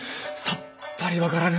さっぱり分からぬ！